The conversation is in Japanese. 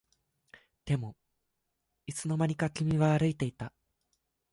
でもいつの間にか君は歩いていた